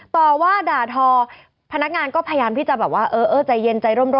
ต่อว่าด่าทอพนักงานก็พยายามที่จะแบบว่าเออใจเย็นใจร่มร่